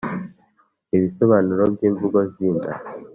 ibisobanuro by’imvugo zida